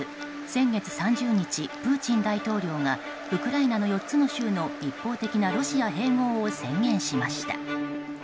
先月３０日、プーチン大統領がウクライナの４つの州の一方的なロシア併合を宣言しました。